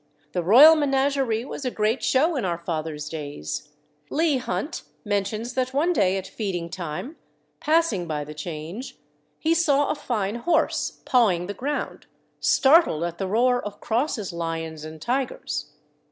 The Royal Menagerie was a great show in our fathers' days. Leigh Hunt mentions that one day at feeding time, passing by the Change, he saw a fine horse pawing the ground, startled at the roar of Cross's lions and tigers.